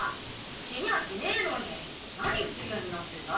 死にゃあしねえのになに不機嫌になってんだ？